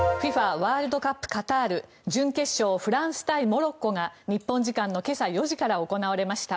ワールドカップカタール準決勝、フランス対モロッコが日本時間今朝４時から行われました。